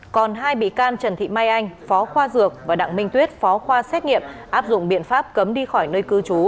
còn hai bị can trần thị mai anh phó khoa dược và đặng minh tuyết phó khoa xét nghiệm áp dụng biện pháp cấm đi khỏi nơi cư trú